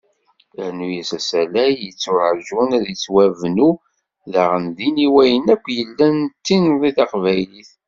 Rnu-as asalay i yetturaǧun ad yettwabnu daɣen din i wayen akk yellan d tinḍi taqbaylit.